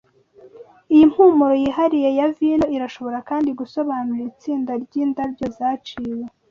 Iyi mpumuro yihariye ya vino irashobora kandi gusobanura itsinda ryindabyo zaciwe